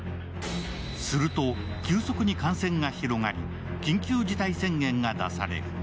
すると急速に感染が広がり緊急事態宣言が出される。